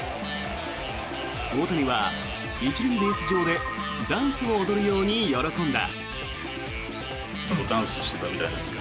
大谷は１塁ベース上でダンスを踊るように喜んだ。